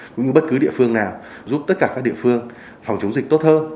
cũng như bất cứ địa phương nào giúp tất cả các địa phương phòng chống dịch tốt hơn